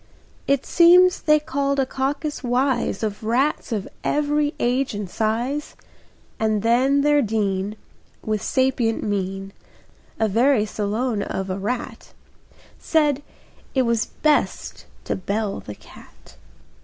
It seems they called a caucus wise Of rats of every age and size, And then their dean, With sapient mien, A very Solon of a rat, Said it was best to bell the cat.